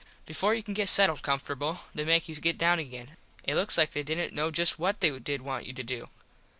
Before you can get settled comfortable they make you get down again. It looks like they didnt know just what they did want you to do.